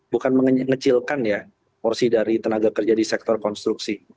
bukan mengecilkan ya porsi dari tenaga kerja di sektor konstruksi